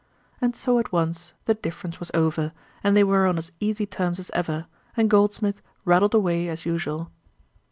And so at once the difference was over, and they were on as easy terms as ever, and Goldsmith rattled away as usual.